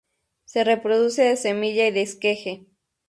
Se reproduce de semilla y de esqueje.